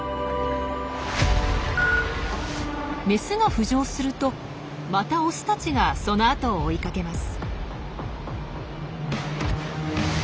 メスが浮上するとまたオスたちがその後を追いかけます。